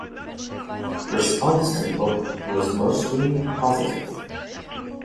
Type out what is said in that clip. Response to the book was mostly positive.